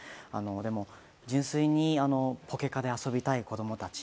でも、純粋にポケカで遊びたい子供たち